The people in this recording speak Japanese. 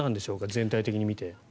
全体的に見て。